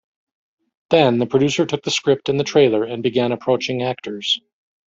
Then, the producer took the script and the trailer and began approaching actors.